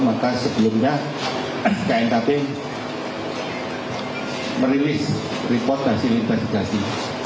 maka sebelumnya knkt merilis report hasil investigasi